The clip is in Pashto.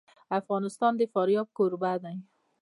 افغانستان د فاریاب کوربه دی.